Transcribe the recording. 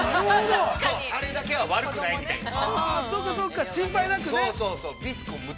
あれだけは、悪くないみたいな。